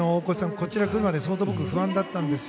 こちらに来るまで相当僕、不安だったんです。